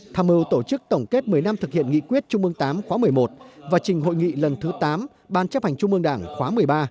tham mưu tổ chức tổng kết một mươi năm thực hiện nghị quyết trung ương tám khóa một mươi một và trình hội nghị lần thứ tám ban chấp hành trung ương đảng khóa một mươi ba